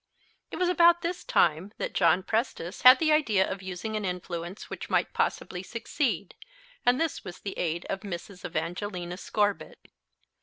It was about this time that John Prestice had the idea of using an influence which might possibly succeed, and this was the aid of Mrs. Evangelina Scorbitt.